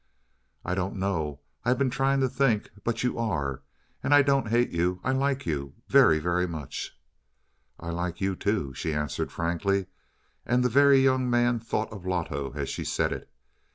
"I don't know; I've been trying to think but you are. And I don't hate you I like you very, very much." "I like you, too," she answered frankly, and the Very Young Man thought of Loto as she said it.